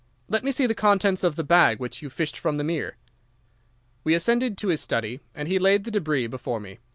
'Let me see the contents of the bag which you fished from the mere.' "We ascended to his study, and he laid the débris before me.